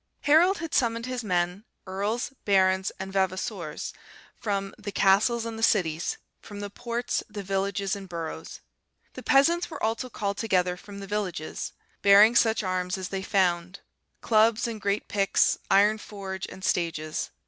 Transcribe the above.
"Harold had summoned his men, earls, barons, and vavassours, from, the castles and the cities; from the ports, the villages, and boroughs. The peasants were also called together from the villages, bearing such arms as they found; clubs and great picks, iron forge and stages.